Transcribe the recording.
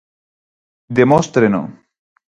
Demóstreno.